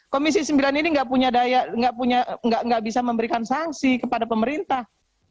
komisi sembilan ini tidak bisa memberikan sanksi kepada pemerintah